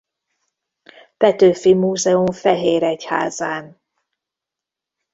Petőfi Múzeum Fehéregyházán.